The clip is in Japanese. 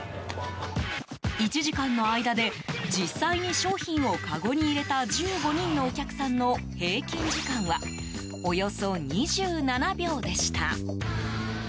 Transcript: １時間の間で実際に商品をかごに入れた１５人のお客さんの平均時間はおよそ２７秒でした。